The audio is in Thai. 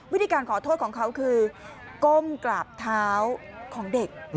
วิธีการขอโทษของเขาคือก้มกราบเท้าของเด็ก